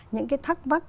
những cái thắc mắc